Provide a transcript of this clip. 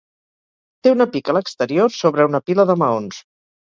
Té una pica a l'exterior sobre una pila de maons.